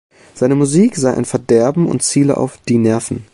Seine Musik sei ein Verderben und ziele „auf die Nerven“.